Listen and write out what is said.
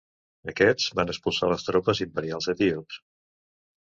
Aquests van expulsar les tropes imperials etíops.